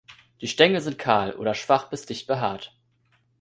Die Stängel sind kahl, oder schwach bis dicht behaart sind.